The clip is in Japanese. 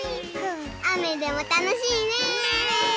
あめでもたのしいね！ね！